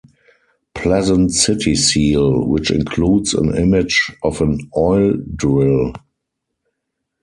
Pleasant city seal, which includes an image of an oil drill.